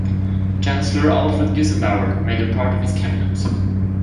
Chancellor Alfred Gusenbauer made her part of his cabinet.